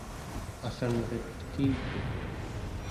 allanret tekitut